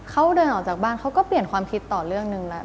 เขาเดินออกจากบ้านเขาก็เปลี่ยนความคิดต่อเรื่องนึงแล้ว